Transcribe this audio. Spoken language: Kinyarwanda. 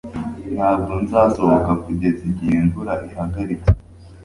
Ntabwo nzasohoka kugeza igihe imvura ihagaritse